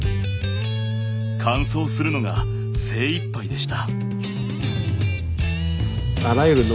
完走するのが精いっぱいでした。